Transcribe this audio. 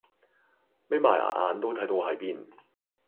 眯埋眼都睇到喺邊